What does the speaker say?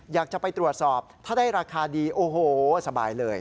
อยากจะไปตรวจสอบถ้าได้ราคาดีโอ้โหสบายเลย